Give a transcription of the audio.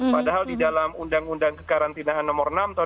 padahal di dalam undang undang kekarantinaan nomor enam tahun dua ribu dua